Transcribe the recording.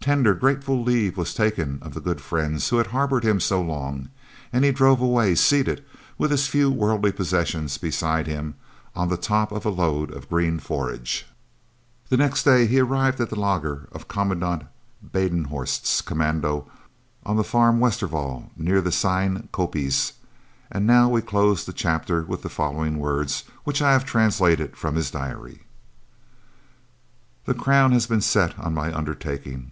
Tender, grateful leave was taken of the good friends who had harboured him so long, and he drove away, seated, with his few worldly possessions beside him, on the top of a load of green forage. The next day he arrived at the lager of Commandant Badenhorst's commando on the farm Waterval near the "Sein koppies," and now we close the chapter with the following words, which I have translated from his diary: "The crown has been set on my undertaking.